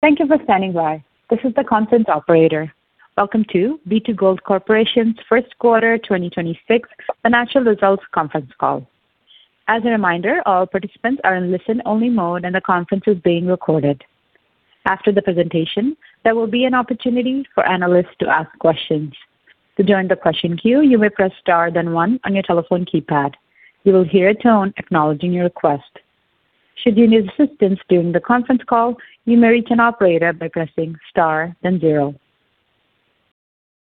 Thank you for standing by. This is the conference operator. Welcome to B2Gold Corporation's first quarter 2026 financial results conference call. As a reminder, all participants are in listen-only mode, and the conference is being recorded. After the presentation, there will be an opportunity for analysts to ask questions. To join the question queue, you may press star then 1 on your telephone keypad. You will hear a tone acknowledging your request. Should you need assistance during the conference call, you may reach an operator by pressing star then 0.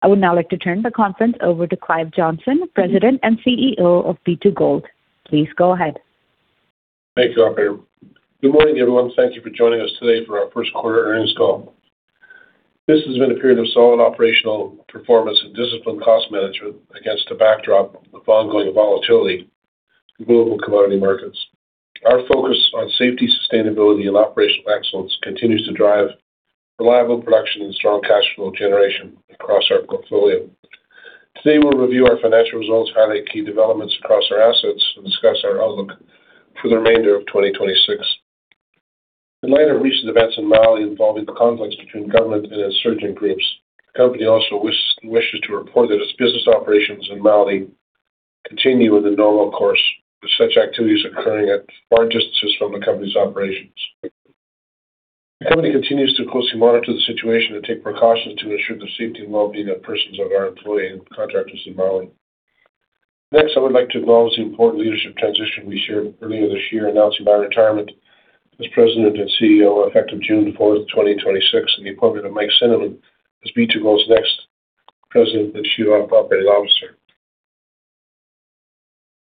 I would now like to turn the conference over to Clive Johnson, President and CEO of B2Gold. Please go ahead. Thank you, operator. Good morning, everyone. Thank you for joining us today for our first quarter earnings call. This has been a period of solid operational performance and disciplined cost management against a backdrop of ongoing volatility in global commodity markets. Our focus on safety, sustainability, and operational excellence continues to drive reliable production and strong cash flow generation across our portfolio. Today, we'll review our financial results, highlight key developments across our assets, and discuss our outlook for the remainder of 2026. In light of recent events in Mali involving the conflicts between government and insurgent groups, the company also wishes to report that its business operations in Mali continue with the normal course, with such activities occurring at far distances from the company's operations. The company continues to closely monitor the situation and take precautions to ensure the safety and well-being of persons of our employee and contractors in Mali. I would like to announce the important leadership transition we shared earlier this year, announcing my retirement as President and CEO, effective June 4th, 2026, and the appointment of Mike Cinnamond as B2Gold's next President and Chief Operating Officer.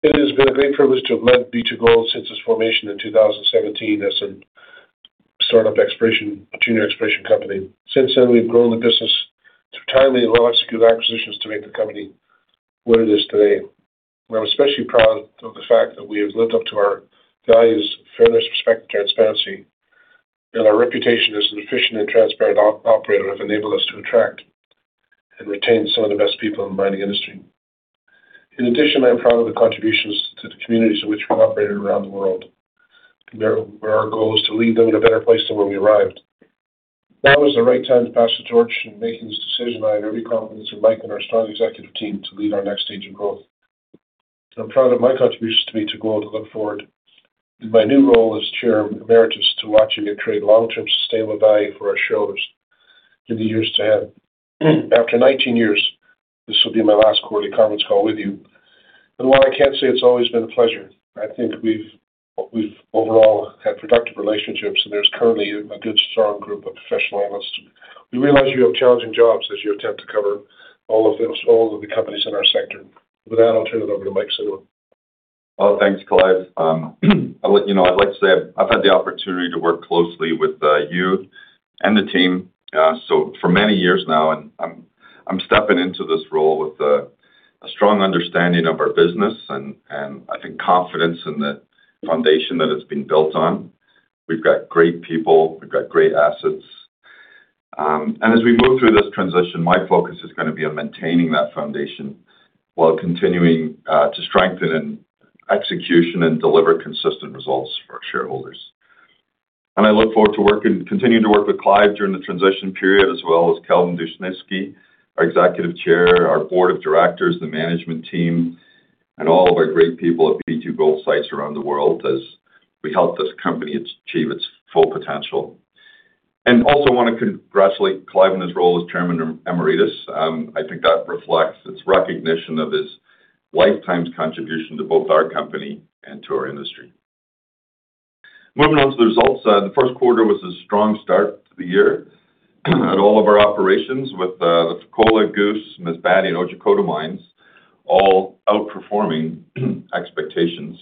It has been a great privilege to have led B2Gold since its formation in 2017 as a startup exploration, a junior exploration company. We've grown the business through timely and well-executed acquisitions to make the company what it is today. I'm especially proud of the fact that we have lived up to our values of fairness, respect, and transparency, and our reputation as an efficient and transparent operator have enabled us to attract and retain some of the best people in the mining industry. In addition, I am proud of the contributions to the communities in which we operate around the world, where our goal is to leave them in a better place than when we arrived. Now is the right time to pass the torch. In making this decision, I have every confidence in Mike and our strong executive team to lead our next stage of growth. I'm proud of my contributions to B2Gold and look forward in my new role as Chair Emeritus to watching it create long-term sustainable value for our shareholders in the years to come. After 19 years, this will be my last quarterly conference call with you. While I can't say it's always been a pleasure, I think we've overall had productive relationships. There's currently a good, strong group of professional analysts. We realize you have challenging jobs as you attempt to cover all of the companies in our sector. With that, I'll turn it over to Mike Cinnamond. Well, thanks, Clive. I let you know, I'd like to say I've had the opportunity to work closely with you and the team, so for many years now, and I'm stepping into this role with a strong understanding of our business and I think confidence in the foundation that it's been built on. We've got great people. We've got great assets. As we move through this transition, my focus is gonna be on maintaining that foundation while continuing to strengthen in execution and deliver consistent results for our shareholders. I look forward to working, continuing to work with Clive during the transition period as well as Kelvin Dushnisky, our Executive Chair, our Board of Directors, the management team, and all of our great people at B2Gold sites around the world as we help this company achieve its full potential. Also want to congratulate Clive Johnson in his role as Chairman Emeritus. I think that reflects its recognition of his lifetime's contribution to both our company and to our industry. Moving on to the results, the first quarter was a strong start to the year at all of our operations with the Fekola, Goose, Masbate, and Otjikoto mines all outperforming expectations.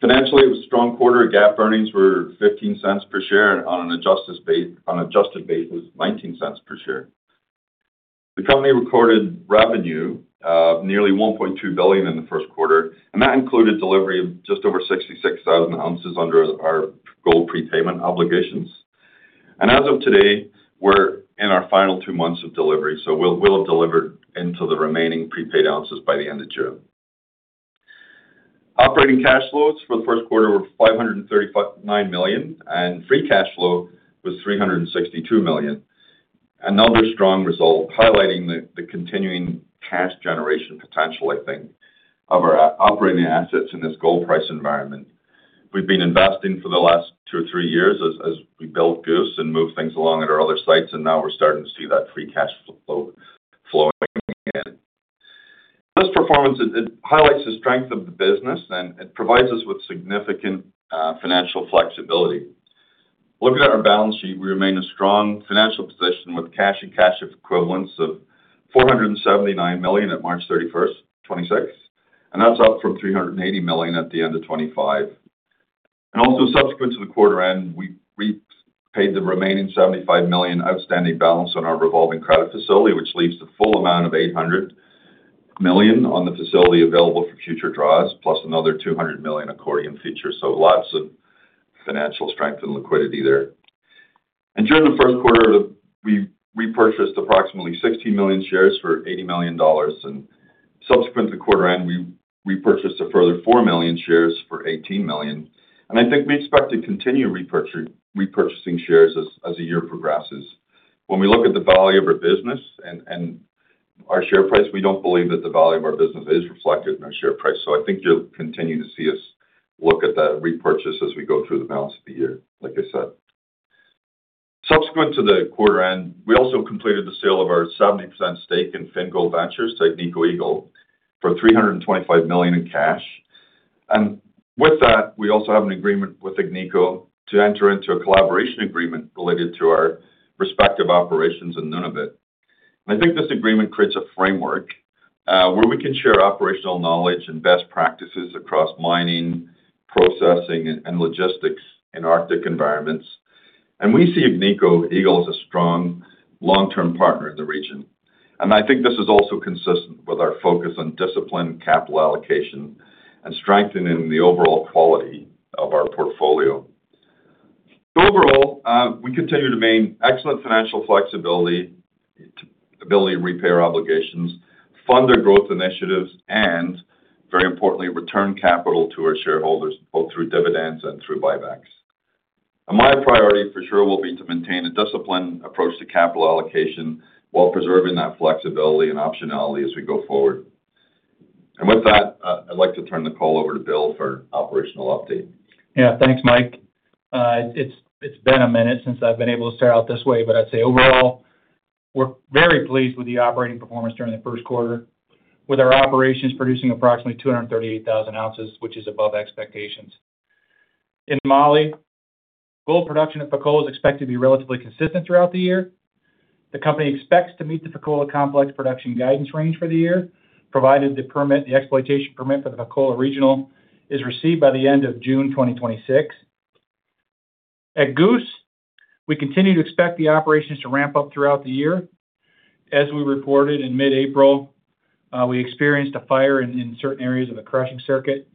Financially, it was a strong quarter. GAAP earnings were $0.15 per share on an adjusted base, on adjusted base was $0.19 per share. The company recorded revenue of nearly $1.2 billion in the first quarter, and that included delivery of just over 66,000 ounces under our gold prepayment obligations. As of today, we're in our final 2 months of delivery, so we'll have delivered into the remaining prepaid ounces by the end of June. Operating cash flows for the first quarter were $539 million, and free cash flow was $362 million. Another strong result highlighting the continuing cash generation potential, I think, of our operating assets in this gold price environment. We've been investing for the last two or three years as we build Goose and move things along at our other sites, and now we're starting to see that free cash flow flowing in. This performance, it highlights the strength of the business, and it provides us with significant financial flexibility. Looking at our balance sheet, we remain in a strong financial position with cash and cash equivalents of $479 million at March 31st, 2026, and that's up from $380 million at the end of 2025. Subsequent to the quarter end, we paid the remaining $75 million outstanding balance on our revolving credit facility, which leaves the full amount of $800 million on the facility available for future draws, plus another $200 million accordion feature. Lots of financial strength and liquidity there. During the first quarter, we repurchased approximately 60 million shares for $80 million. Subsequent to the quarter end, we repurchased a further 4 million shares for $18 million. I think we expect to continue repurchasing shares as the year progresses. When we look at the value of our business and our share price, we don't believe that the value of our business is reflected in our share price. I think you'll continue to see us look at that repurchase as we go through the balance of the year, like I said. Subsequent to the quarter end, we also completed the sale of our 70% stake in Fingold Ventures to Agnico Eagle for $325 million in cash. With that, we also have an agreement with Agnico to enter into a collaboration agreement related to our respective operations in Nunavut. I think this agreement creates a framework where we can share operational knowledge and best practices across mining, processing, and logistics in Arctic environments. We see Agnico Eagle as a strong long-term partner in the region. I think this is also consistent with our focus on disciplined capital allocation and strengthening the overall quality of our portfolio. Overall, we continue to maintain excellent financial flexibility to ability to repay our obligations, fund our growth initiatives, and very importantly, return capital to our shareholders, both through dividends and through buybacks. My priority for sure will be to maintain a disciplined approach to capital allocation while preserving that flexibility and optionality as we go forward. With that, I'd like to turn the call over to Will for operational update. Yeah. Thanks, Mike. It's been a minute since I've been able to start out this way, but I'd say overall, we're very pleased with the operating performance during the first quarter, with our operations producing approximately 238,000 ounces, which is above expectations. In Mali, gold production at Fekola is expected to be relatively consistent throughout the year. The company expects to meet the Fekola Complex production guidance range for the year, provided the exploitation permit for the Fekola Regional is received by the end of June 2026. At Goose, we continue to expect the operations to ramp up throughout the year. As we reported in mid-April, we experienced a fire in certain areas of the crushing circuit.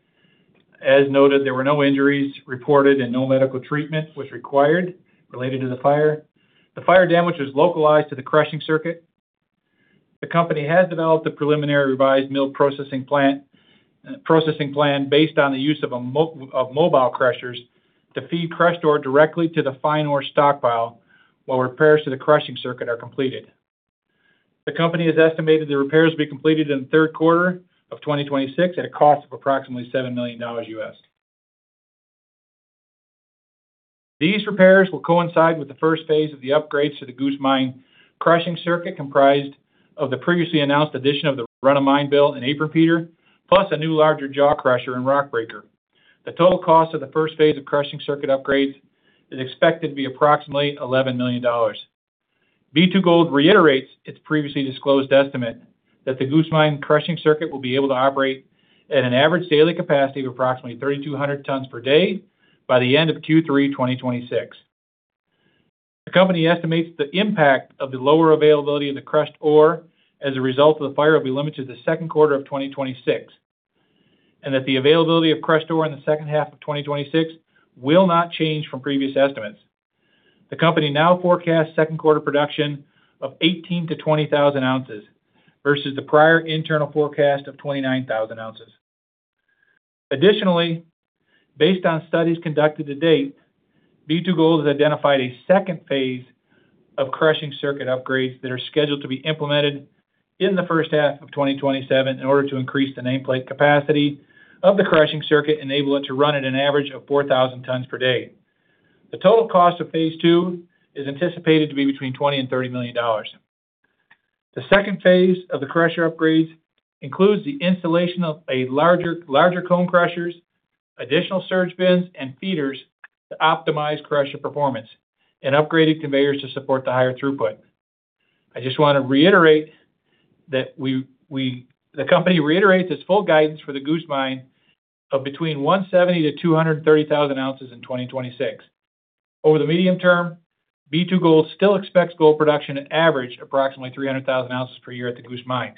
As noted, there were no injuries reported and no medical treatment was required related to the fire. The fire damage was localized to the crushing circuit. The company has developed a preliminary revised mill processing plan based on the use of mobile crushers to feed crushed ore directly to the fine ore stockpile while repairs to the crushing circuit are completed. The company has estimated the repairs will be completed in the third quarter of 2026 at a cost of approximately $7 million. These repairs will coincide with the first phase of the upgrades to the Goose Mine crushing circuit, comprised of the previously announced addition of the run of mine bin and apron feeder, plus a new larger jaw crusher and rock breaker. The total cost of the first phase of crushing circuit upgrades is expected to be approximately $11 million. B2Gold reiterates its previously disclosed estimate that the Goose Mine crushing circuit will be able to operate at an average daily capacity of approximately 3,200 tons per day by the end of Q3 2026. The company estimates the impact of the lower availability of the crushed ore as a result of the fire will be limited to the second quarter of 2026, and that the availability of crushed ore in the second half of 2026 will not change from previous estimates. The company now forecasts second quarter production of 18,000 ounces-20,000 ounces versus the prior internal forecast of 29,000 ounces. Additionally, based on studies conducted to date, B2Gold has identified a second phase of crushing circuit upgrades that are scheduled to be implemented in the first half of 2027 in order to increase the nameplate capacity of the crushing circuit, enable it to run at an average of 4,000 tons per day. The total cost of phase 2 is anticipated to be between $20 million-$30 million. The second phase of the crusher upgrades includes the installation of a larger cone crushers, additional surge bins and feeders to optimize crusher performance and upgraded conveyors to support the higher throughput. I just want to reiterate that we the company reiterates its full guidance for the Goose Mine of between 170,000 ounces-230,000 ounces in 2026. Over the medium term, B2Gold still expects gold production to average approximately 300,000 ounces per year at the Goose Mine.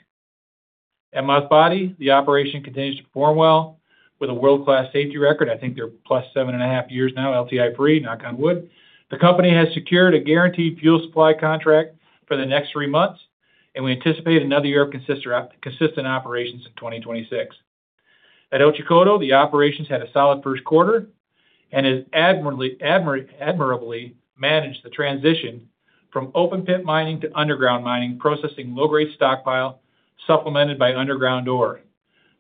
At Masbate, the operation continues to perform well with a world-class safety record. I think they're 7.5+ years now LTI free, knock on wood. The company has secured a guaranteed fuel supply contract for the next three months, and we anticipate another year of consistent operations in 2026. At Otjikoto, the operations had a solid first quarter and has admirably managed the transition from open pit mining to underground mining, processing low-grade stockpile supplemented by underground ore.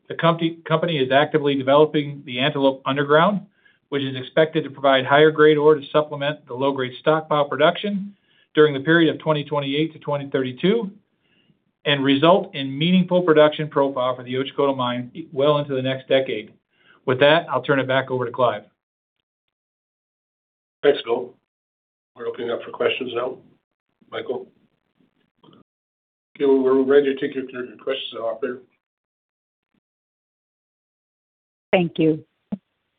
The company is actively developing the Antelope underground, which is expected to provide higher-grade ore to supplement the low-grade stockpile production during the period of 2028 to 2032 and result in meaningful production profile for the Otjikoto mine well into the next decade. With that, I'll turn it back over to Clive. Thanks, Will. We're opening up for questions now. Michael. We're ready to take your questions now, operator. Thank you.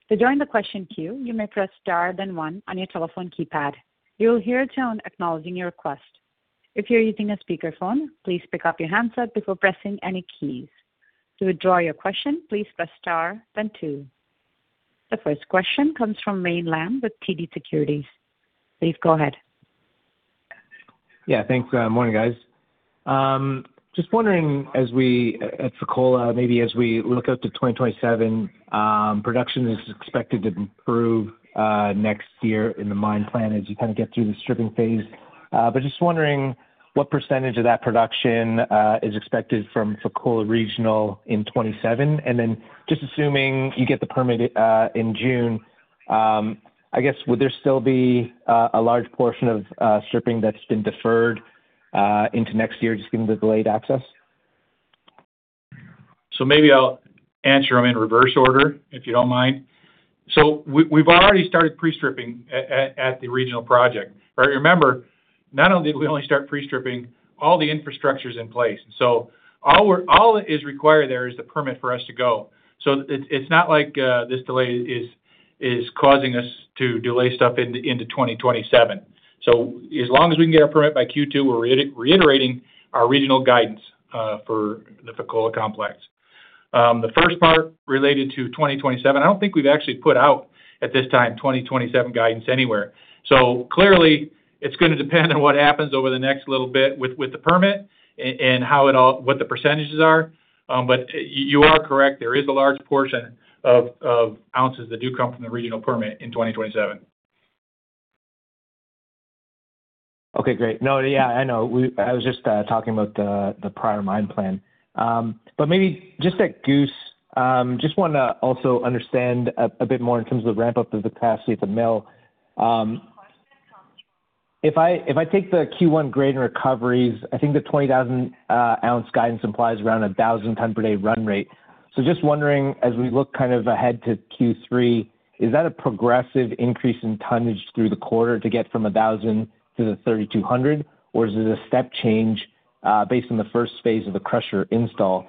To join the question queue, you may press star then 1 on your telephone keypad. You'll hear a tone acknowledging your request. If you're using a speakerphone, please pick up your handset before pressing any keys. To withdraw your question, please press star then 2. The first question comes from Wayne Lam with TD Securities. Please go ahead. Thanks. Morning, guys. Just wondering as we, at Fekola, maybe as we look out to 2027, production is expected to improve next year in the mine plan as you kind of get through the stripping phase. Just wondering what percentage of that production is expected from Fekola Regional in 27. Just assuming you get the permit in June, I guess would there still be a large portion of stripping that's been deferred into next year just given the delayed access? Maybe I'll answer them in reverse order, if you don't mind. We've already started pre-stripping at the regional project. Remember, not only did we only start pre-stripping, all the infrastructure's in place. All is required there is the permit for us to go. It's not like this delay is causing us to delay stuff into 2027. As long as we can get our permit by Q2, we're reiterating our regional guidance for the Fekola Complex. The first part related to 2027, I don't think we've actually put out at this time, 2027 guidance anywhere. Clearly it's gonna depend on what happens over the next little bit with the permit and how it all, what the percentages are. You are correct. There is a large portion of ounces that do come from the regional permit in 2027. Okay, great. No, yeah, I know. I was just talking about the prior mine plan. Maybe just at Goose, I just want to also understand a bit more in terms of the ramp up of the capacity at the mill. If I, if I take the Q1 grade and recoveries, I think the 20,000 ounce guidance implies around a 1,000 ton per day run rate. Just wondering, as we look kind of ahead to Q3, is that a progressive increase in tonnage through the quarter to get from 1,000 tons to the 3,200 tons, or is it a step change based on the first phase of the crusher install?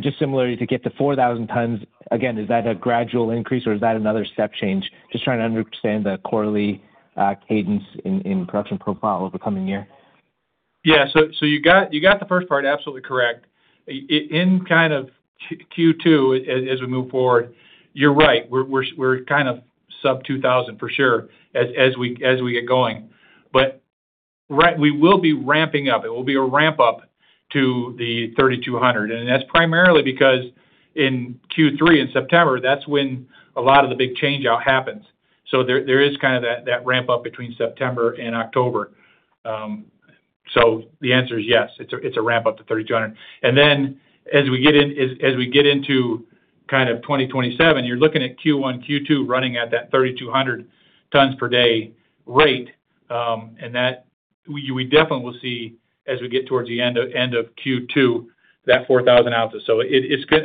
Just similarly, to get to 4,000 tons, again, is that a gradual increase or is that another step change? Just trying to understand the quarterly cadence in production profile over the coming year. Yeah. You got the first part absolutely correct. In kind of Q2, as we move forward, you're right, we're kind of sub 2,000 tons for sure as we get going. We will be ramping up. It will be a ramp up to the 3,200 tons. That's primarily because in Q3, in September, that's when a lot of the big change-out happens. There is kind of that ramp up between September and October. The answer is yes, it's a ramp up to 3,200 tons. Then as we get into kind of 2027, you're looking at Q1, Q2 running at that 3,200 tons per day rate. That we definitely will see as we get towards the end of Q2, that 4,000 ounces.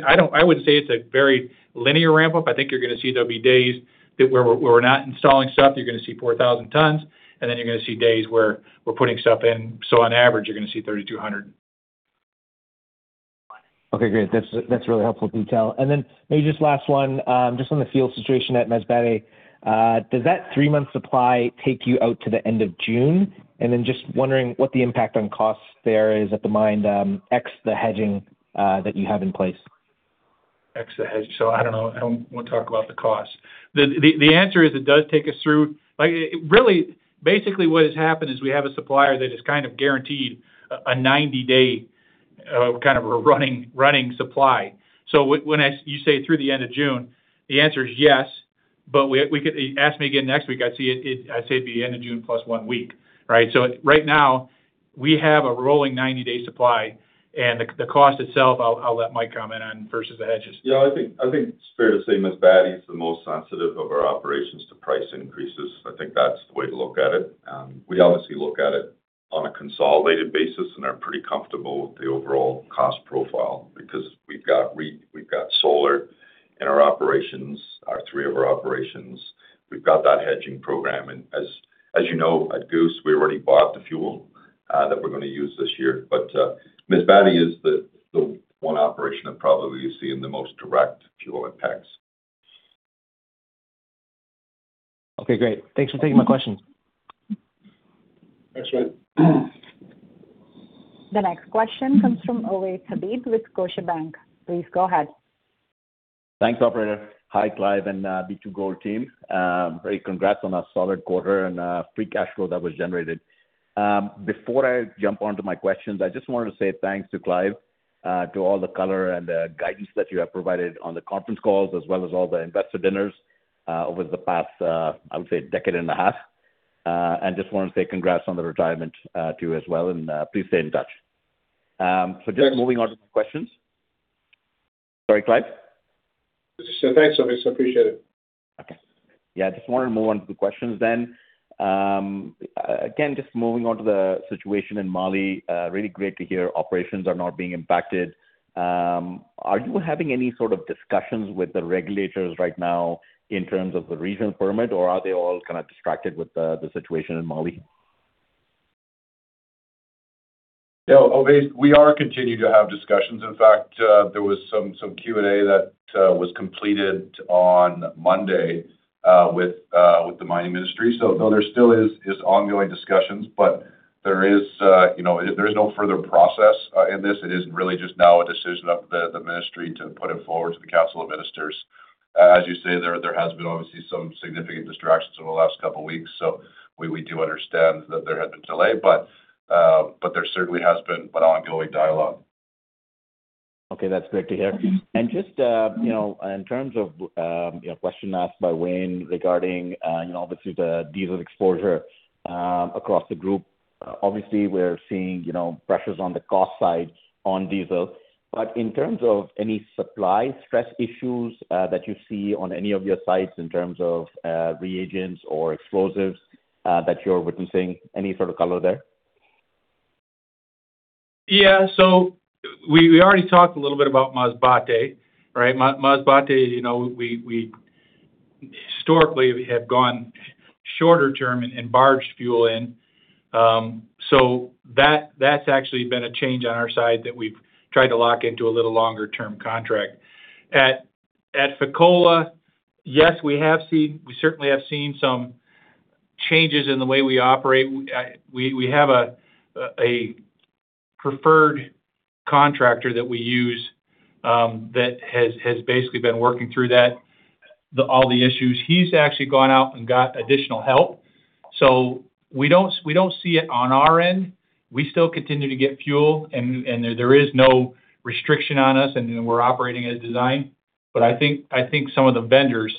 I don't I wouldn't say it's a very linear ramp up. I think you're gonna see there'll be days that we're not installing stuff. You're gonna see 4,000 tons, and then you're gonna see days where we're putting stuff in. On average, you're gonna see 3,200 tons. Okay, great. That's really helpful detail. Then maybe just last one, just on the fuel situation at Masbate. Does that 3-month supply take you out to the end of June? Then just wondering what the impact on costs there is at the mine, ex the hedging, that you have in place? Ex the hedge. I don't know. I don't wanna talk about the cost. The answer is it does take us through Like what has happened is we have a supplier that has kind of guaranteed a 90-day, kind of a running supply. When you say through the end of June, the answer is yes. We could Ask me again next week, I'd say it'd be end of June plus one week, right? Right now we have a rolling 90-day supply. The cost itself, I'll let Mike comment on versus the hedges. Yeah, I think it's fair to say Masbate is the most sensitive of our operations to price increases. I think that's the way to look at it. We obviously look at it on a consolidated basis and are pretty comfortable with the overall cost profile because we've got solar in our operations, 3 of our operations. We've got that hedging program. As you know, at Goose, we already bought the fuel that we're gonna use this year. Masbate is the one operation that probably is seeing the most direct fuel impacts. Okay, great. Thanks for taking my questions. Thanks, Wayne. The next question comes from Ovais Habib with Scotiabank. Please go ahead. Thanks, operator. Hi, Clive and B2Gold team. Great congrats on a solid quarter and free cash flow that was generated. Before I jump onto my questions, I just wanted to say thanks to Clive, to all the color and the guidance that you have provided on the conference calls, as well as all the investor dinners, over the past, I would say decade and a half. Just wanted to say congrats on the retirement to you as well, and please stay in touch. Just moving on to my questions. Sorry, Clive? Thanks, Ovais. Appreciate it. Okay. Yeah, just wanted to move on to the questions then. Again, just moving on to the situation in Mali, really great to hear operations are not being impacted. Are you having any sort of discussions with the regulators right now in terms of the regional permit, or are they all kind of distracted with the situation in Mali? Yeah. Ovais, we are continuing to have discussions. In fact, there was some Q&A that was completed on Monday with the Mining Ministry. No, there still is ongoing discussions, but there is, you know, there is no further process in this. It is really just now a decision of the Ministry to put it forward to the Council of Ministers. As you say, there has been obviously some significant distractions over the last couple of weeks. We do understand that there has been delay, but there certainly has been an ongoing dialogue. Okay, that's great to hear. Just, you know, in terms of, you know, a question asked by Wayne regarding, you know, obviously the diesel exposure across the group. Obviously we're seeing, you know, pressures on the cost side on diesel. In terms of any supply stress issues that you see on any of your sites in terms of reagents or explosives that you're witnessing, any sort of color there? Yeah. We already talked a little bit about Masbate, right? Masbate, you know, we historically have gone shorter term and barged fuel in. That's actually been a change on our side that we've tried to lock into a little longer term contract. At Fekola, yes, we certainly have seen some changes in the way we operate. We have a preferred contractor that we use that has basically been working through all the issues. He's actually gone out and got additional help. We don't see it on our end. We still continue to get fuel and there is no restriction on us, and we're operating as designed. I think some of the vendors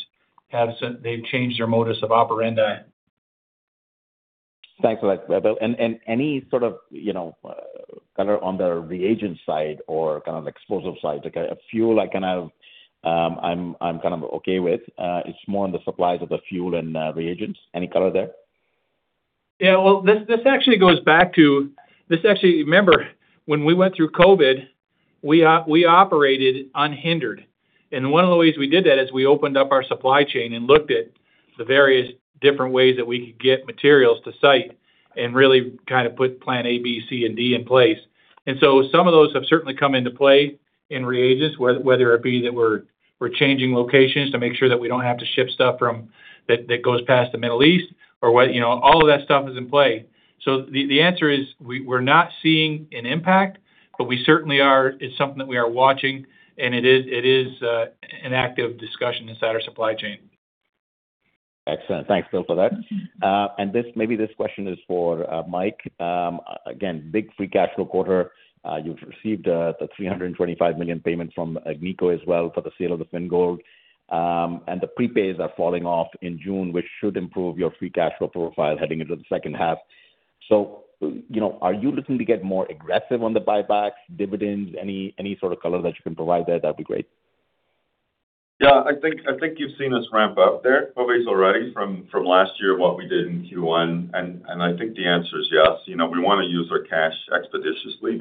have they've changed their modus operandi. Thanks for that, Will. Any sort of, you know, color on the reagent side or kind of explosive side? Like a fuel, like kind of, I'm kind of okay with, it's more on the supplies of the fuel and reagents. Any color there? Well, this actually goes back to. Remember when we went through COVID, we operated unhindered. One of the ways we did that is we opened up our supply chain and looked at the various different ways that we could get materials to site and really kind of put plan A, B, C, and D in place. Some of those have certainly come into play in reagents, whether it be that we're changing locations to make sure that we don't have to ship stuff from that goes past the Middle East or what, you know. All of that stuff is in play. The answer is we're not seeing an impact, but we certainly are, it's something that we are watching and it is an active discussion inside our supply chain. Excellent. Thanks, Will, for that. Maybe this question is for Mike. Again, big free cash flow quarter. You've received the $325 million payment from Agnico as well for the sale of the Fingold. The prepays are falling off in June, which should improve your free cash flow profile heading into the second half. You know, are you looking to get more aggressive on the buybacks, dividends? Any sort of color that you can provide there, that'd be great. Yeah. I think, I think you've seen us ramp up there probably already from last year, what we did in Q1. I think the answer is yes. You know, we wanna use our cash expeditiously.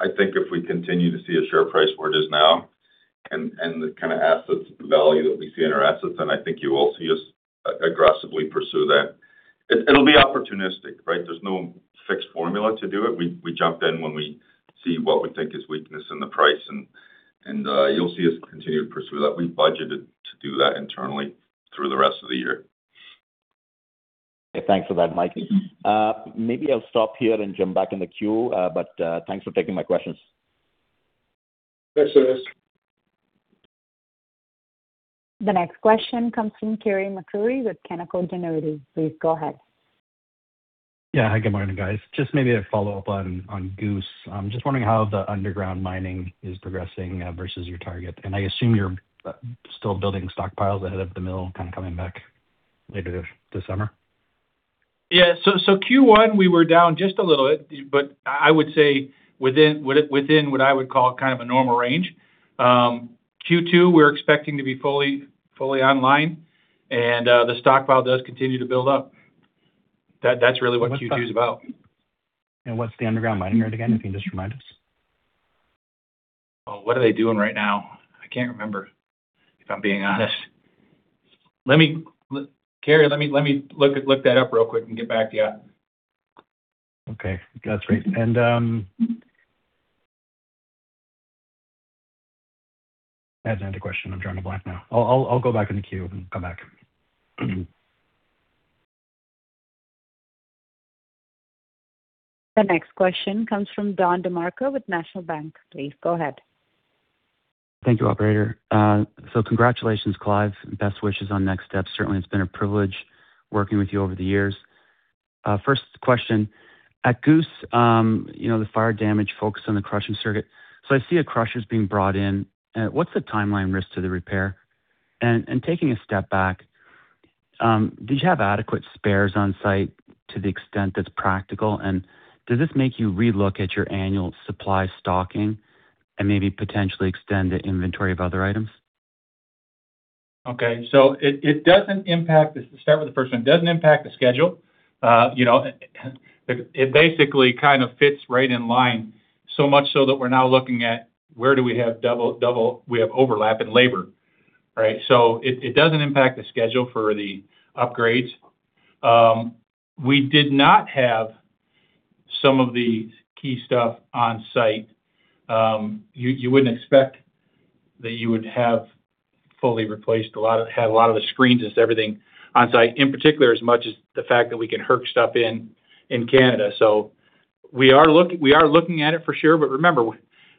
I think if we continue to see a share price where it is now and the kind of assets, the value that we see in our assets, then I think you will see us aggressively pursue that. It'll be opportunistic, right? There's no fixed formula to do it. We jump in when we see what we think is weakness in the price and you'll see us continue to pursue that. We've budgeted to do that internally through the rest of the year. Thanks for that, Mike. Maybe I'll stop here and jump back in the queue. Thanks for taking my questions. Thanks, Ovais. The next question comes from Carey MacRury with Canaccord Genuity. Please go ahead. Yeah. Hi, good morning, guys. Maybe a follow-up on Goose. I'm just wondering how the underground mining is progressing versus your target. I assume you're still building stockpiles ahead of the mill kind of coming back later this summer. Yeah. Q1, we were down just a little bit, but I would say within what I would call kind of a normal range. Q2, we're expecting to be fully online, the stockpile does continue to build up. That's really what Q2's about. What's the underground mining rate again, if you can just remind us? Oh, what are they doing right now? I can't remember, if I'm being honest. Carey, let me look that up real quick and get back to you. Okay. That's great. That's the end of question. I'm drawing a blank now. I'll go back in the queue and come back. The next question comes from Don DeMarco with National Bank. Please go ahead. Thank you, operator. Congratulations, Clive, and best wishes on next steps. Certainly it's been a privilege working with you over the years. First question. At Goose, you know, the fire damage focused on the crushing circuit. I see a crush is being brought in. What's the timeline risk to the repair? Taking a step back, did you have adequate spares on site to the extent that's practical? Does this make you relook at your annual supply stocking and maybe potentially extend the inventory of other items? Okay. Start with the first one. It doesn't impact the schedule. You know, it basically kind of fits right in line, so much so that we're now looking at where do we have overlap in labor, right? It doesn't impact the schedule for the upgrades. We did not have some of the key stuff on site. You wouldn't expect that you would have fully replaced a lot of the screens and everything on site, in particular, as much as the fact that we can Herc stuff in Canada. We are looking at it for sure. Remember,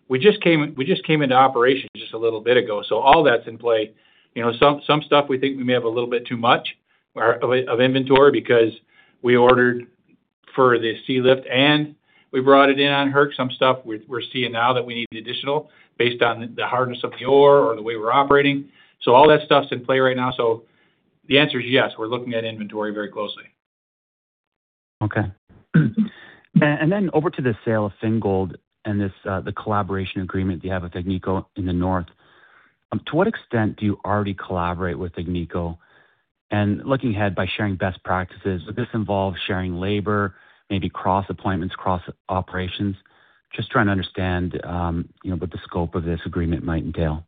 we just came into operation just a little bit ago, so all that's in play. You know, some stuff we think we may have a little bit too much or of inventory because we ordered for the sealift, and we brought it in on Herc. Some stuff we're seeing now that we need additional based on the hardness of the ore or the way we're operating. All that stuff's in play right now. The answer is yes, we're looking at inventory very closely. Okay. Then over to the sale of Fingold and this, the collaboration agreement you have with Agnico in the north. To what extent do you already collaborate with Agnico? Looking ahead, by sharing best practices, would this involve sharing labor, maybe cross-appointments, cross-operations? Just trying to understand, you know, what the scope of this agreement might entail.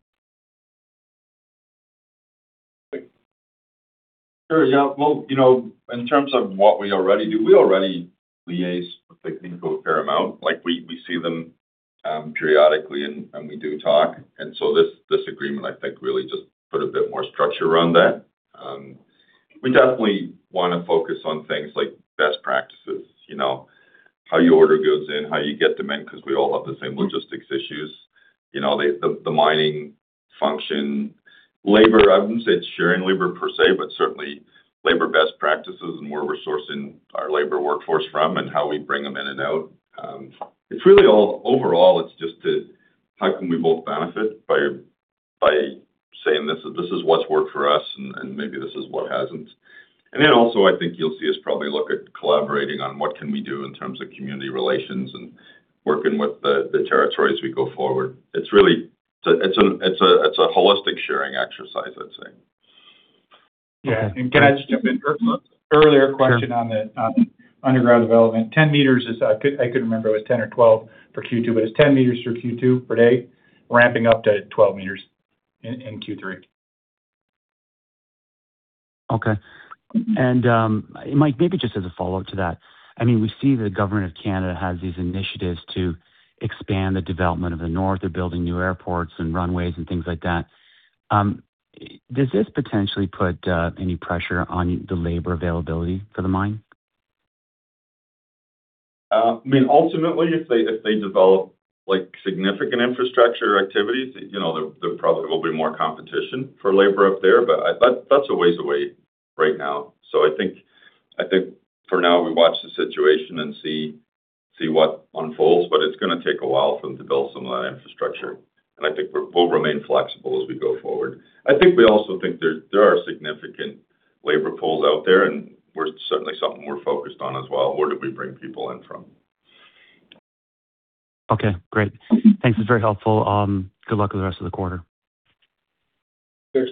Sure, yeah. Well, you know, in terms of what we already do, we already liaise with Agnico a fair amount. Like, we see them periodically and we do talk. This agreement, I think, really just put a bit more structure around that. We definitely wanna focus on things like best practices, you know. How you order goods in, how you get them in, 'cause we all have the same logistics issues. You know, the mining function. Labor, I wouldn't say it's sharing labor per se, but certainly labor best practices and where we're sourcing our labor workforce from and how we bring them in and out. Overall, it's just a how can we both benefit by saying this is, this is what's worked for us and maybe this is what hasn't. Also I think you'll see us probably look at collaborating on what can we do in terms of community relations and working with the territory as we go forward. It's really a holistic sharing exercise, I'd say. Okay. Yeah. Can I just jump in? Sure on the underground development. 10m is, I couldn't remember if it was 10 m or 12 m for Q2, but it's 10 m for Q2 per day, ramping up to 12 m in Q3. Okay. Mike, maybe just as a follow-up to that. I mean, we see the Government of Canada has these initiatives to expand the development of the North. They're building new airports and runways and things like that. Does this potentially put any pressure on the labor availability for the mine? I mean, ultimately, if they develop, like, significant infrastructure activities, you know, there probably will be more competition for labor up there. That's a ways away right now. I think for now we watch the situation and see what unfolds, but it's gonna take a while for them to build some of that infrastructure. I think we're, we'll remain flexible as we go forward. I think we also think there are significant labor pools out there, and we're certainly something we're focused on as well, where do we bring people in from? Okay, great. Thanks. It's very helpful. Good luck with the rest of the quarter. Sure.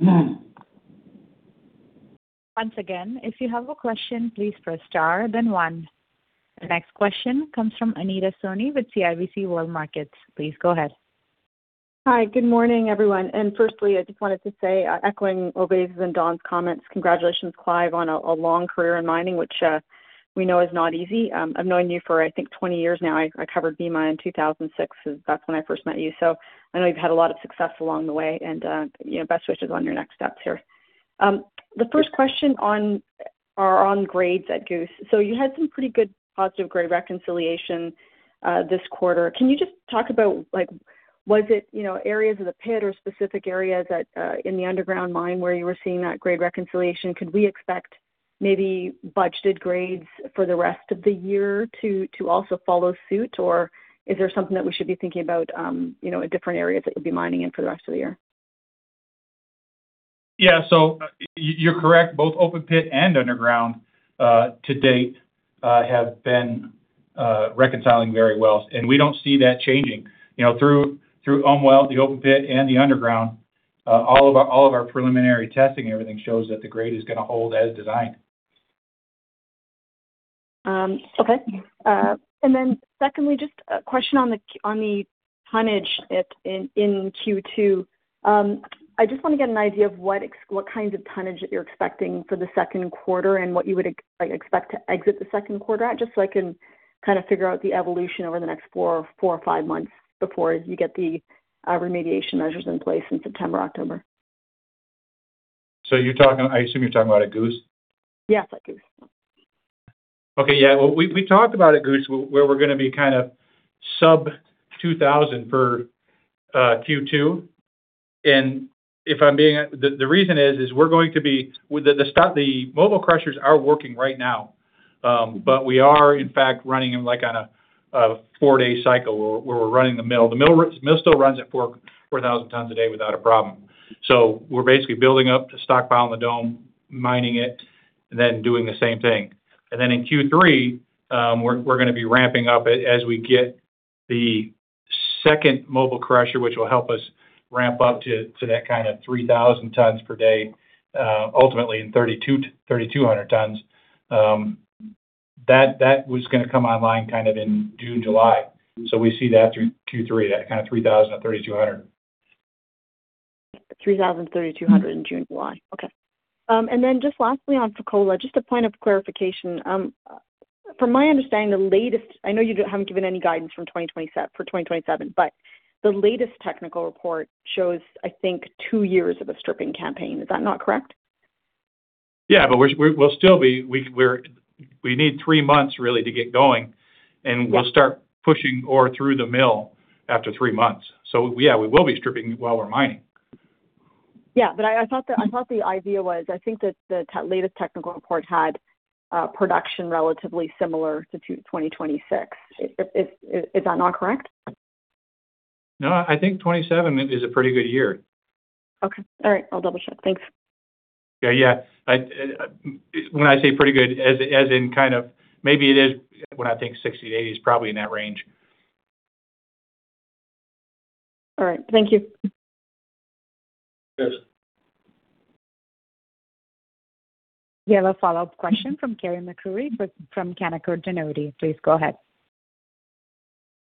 Once again, if you have a question, please press star then one. The next question comes from Anita Soni with CIBC World Markets. Please go ahead. Hi. Good morning, everyone. Firstly, I just wanted to say, echoing Ovais's and Don's comments, congratulations, Clive, on a long career in mining, which we know is not easy. I've known you for, I think, 20 years now. I covered Bema in 2006. That's when I first met you. I know you've had a lot of success along the way and, you know, best wishes on your next steps here. The first question on grades at Goose. You had some pretty good positive grade reconciliation this quarter. Can you just talk about, like, was it, you know, areas of the pit or specific areas in the underground mine where you were seeing that grade reconciliation? Could we expect maybe budgeted grades for the rest of the year to also follow suit? Is there something that we should be thinking about, you know, in different areas that you'll be mining in for the rest of the year? Yeah. You're correct. Both open pit and underground to date have been reconciling very well, and we don't see that changing. You know, through Omwell, the open pit and the underground, all of our preliminary testing and everything shows that the grade is gonna hold as designed. Secondly, just a question on the tonnage in Q2. I just wanna get an idea of what kinds of tonnage that you're expecting for the second quarter and what you would expect to exit the second quarter at, just so I can kinda figure out the evolution over the next four or five months before you get the remediation measures in place in September, October. You're talking, I assume you're talking about at Goose? Yes, at Goose. Okay. Yeah. Well, we talked about at Fekola where we're gonna be kind of sub 2,000 tons for Q2. The mobile crushers are working right now. We are in fact running them, like, on a 4-day cycle where we're running the mill. The mill still runs at 4,000 tons a day without a problem. We're basically building up the stockpile in the dome, mining it, and then doing the same thing. In Q3, we're gonna be ramping up as we get the second mobile crusher, which will help us ramp up to that kind of 3,000 tons per day, ultimately in 3,200 tons. That was gonna come online kind of in June, July. We see that through Q3, that kind of 3,000 tons-3,200 tons. 3,000 tons-3,200 tons in June and July. Okay. Just lastly on Fekola, just a point of clarification. From my understanding, I know you haven't given any guidance for 2027, the latest technical report shows, I think, two years of a stripping campaign. Is that not correct? But we need three months really to get going, and we'll start pushing ore through the mill after three months. Yeah, we will be stripping while we're mining. Yeah. I thought the idea was, I think that the latest technical report had production relatively similar to 2026. Is that not correct? No, I think 2027 is a pretty good year. Okay. All right. I'll double-check. Thanks. Yeah. I, when I say pretty good, as in kind of maybe it is when I think 60-80, it's probably in that range. All right. Thank you. Cheers. We have a follow-up question from Carey MacRury from Canaccord Genuity. Please go ahead.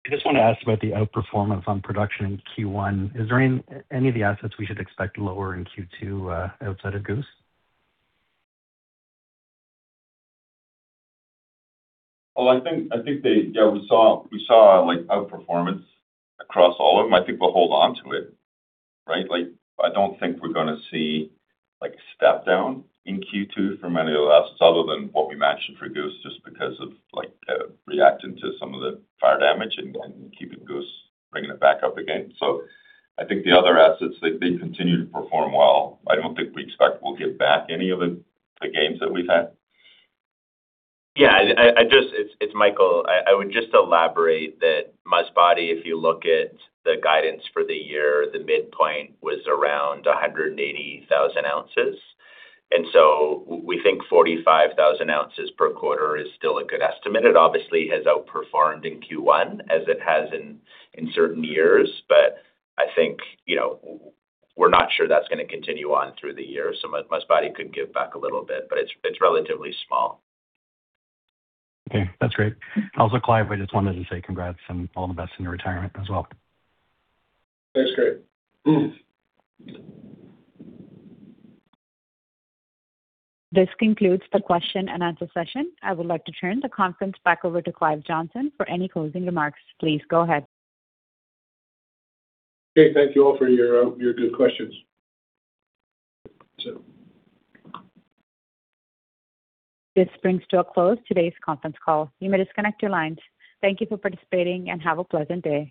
I just want to ask about the outperformance on production in Q1. Is there any of the assets we should expect lower in Q2 outside of Goose? I think we saw, like, outperformance across all of them. I think we'll hold on to it, right? I don't think we're gonna see, like, a step down in Q2 from any of the assets other than what we mentioned for Goose, just because of, like, reacting to some of the fire damage and keeping Goose, bringing it back up again. I think the other assets, they continue to perform well. I don't think we expect we'll give back any of the gains that we've had. Yeah. I just It's Michael. I would just elaborate that Masbate, if you look at the guidance for the year, the midpoint was around 180,000 ounces. We think 45,000 ounces per quarter is still a good estimate. It obviously has outperformed in Q1 as it has in certain years. I think, you know, we're not sure that's gonna continue on through the year. Masbate could give back a little bit, but it's relatively small. Okay. That's great. Also, Clive, I just wanted to say congrats and all the best in your retirement as well. Thanks, Carey. This concludes the question and answer session. I would like to turn the conference back over to Clive Johnson for any closing remarks. Please go ahead. Okay. Thank you all for your good questions. That's it. This brings to a close today's conference call. You may disconnect your lines. Thank you for participating, and have a pleasant day.